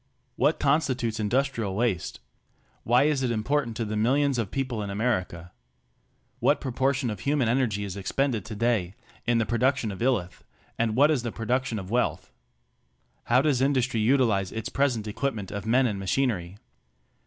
What constitutes industrial waste? Why is it important to the millions of people in America? What proportion of human energy is expended today in the production of "illth," and what in the production of wealth? How does industry utilize its present equipment of men and machinery?